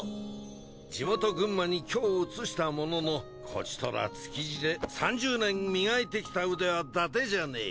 地元・群馬に居を移したもののこちとら築地で３０年磨いてきた腕は伊達じゃねぇ。